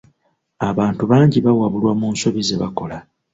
Abantu bangi bawabulwa mu nsobi zebakola.